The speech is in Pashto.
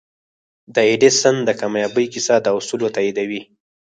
د ايډېسن د کاميابۍ کيسه دا اصول تاييدوي.